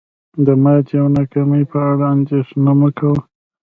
د ماتې او ناکامۍ په اړه اندیښنه مه کوه.